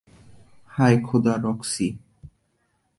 হায় খোদা, রক্সি।